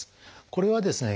これはですね